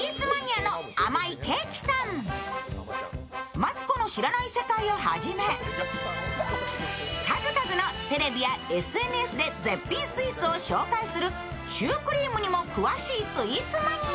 「マツコの知らない世界」をはじめ数々のテレビやＳＮＳで絶品スイーツを紹介するシュークリームにも詳しいスイーツマニア。